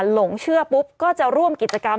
หลงเชื่อปุ๊บก็จะร่วมกิจกรรม